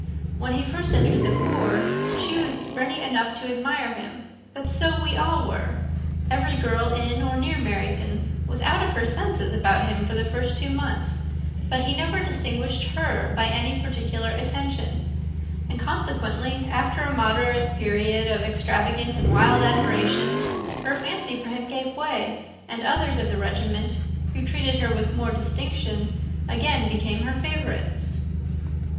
When first he entered the corps, she was ready enough to admire him; but so we all were. Every girl in or near Meryton was out of her senses about him for the first two months: but he never distinguished her by any particular attention; and, consequently, after a moderate period of extravagant and wild admiration, her fancy for him gave way, and others of the regiment, who treated her with more distinction, again became her favourites."